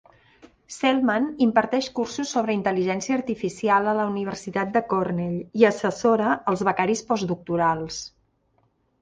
Selman imparteix cursos sobre intel·ligència artificial a la Universitat de Cornell i assessora els becaris postdoctorals.